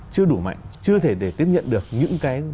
chưa đủ mạnh chưa thể để tiếp nhận được những cái